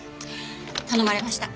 頼まれました。